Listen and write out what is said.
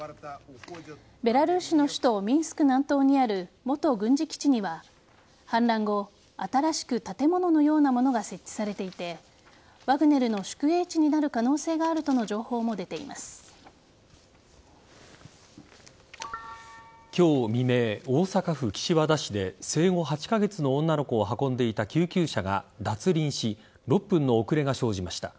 ベラルーシの首都ミンスク南東にある元軍事基地には反乱後新しく建物のようなものが設置されていてワグネルの宿営地になる可能性があるとの情報も今日未明、大阪府岸和田市で生後８カ月の女の子を運んでいた救急車が脱輪し、６分の遅れが生じました。